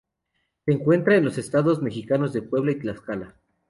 Se encuentra en los estados mexicanos de Puebla y Tlaxcala.